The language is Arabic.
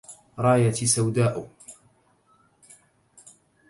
رايتى سوداءُ